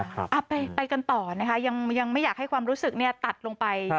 ไปกันต่อนะคะยังไม่อยากให้ความรู้สึกเนี่ยตัดลงไป